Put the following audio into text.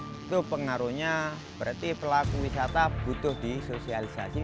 itu pengaruhnya berarti pelaku wisata butuh disosialisasi